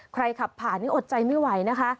ขับผ่านนี่อดใจไม่ไหวนะคะ